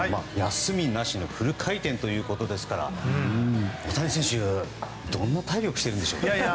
休みなしのフル回転ということで大谷選手はどんな体力してるんでしょう？